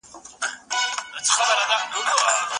د ناروغ د لوښو جدا کول غوره دي.